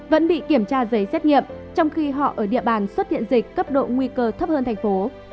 vẫn bị kiểm tra giấy xét nghiệm trong khi họ ở địa bàn xuất hiện dịch cấp độ nguy cơ thấp hơn thành phố